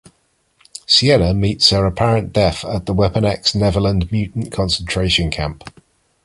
Siena meets her apparent death at the Weapon X Neverland mutant concentration camp.